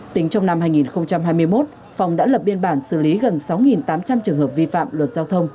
tính trong năm hai nghìn hai mươi một phòng đã lập biên bản xử lý gần sáu tám trăm linh trường hợp vi phạm luật giao thông